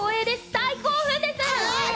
大興奮です。